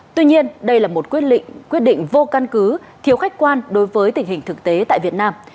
tuy nhiên đây là một quyết định vô căn cứ thiếu khách quan đối với tình hình thực tế tại việt nam